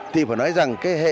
thì phải nói rằng cái hệ thống